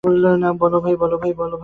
বলো, ভাই।